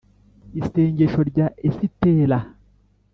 isengesho rya esitera